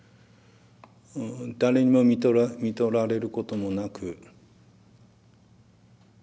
誰にもみとられることもなく。